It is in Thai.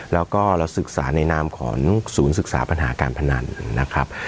แล้วก็เราศึกษาในนามของศูนย์ศึกษาปัญหาการพนันนะครับ